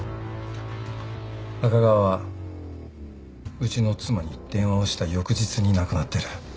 赤川はうちの妻に電話をした翌日に亡くなってる。